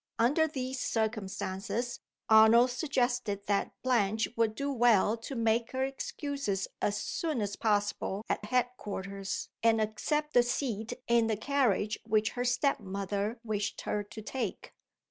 Under these circumstances, Arnold suggested that Blanche would do well to make her excuses as soon as possible at head quarters, and accept the seat in the carriage which her step mother wished her to take.